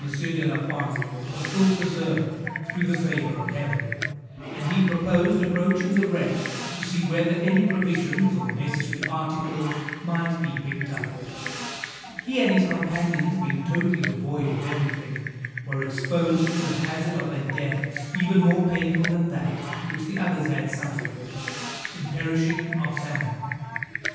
de la Fond was still preserved, through the favour of Heaven, and he proposed approaching the wreck, to see whether any provisions or necessary articles might be picked up. He and his companions being totally devoid of every thing, were exposed to the hazard of a death even more painful than that which the others had suffered, in perishing of famine.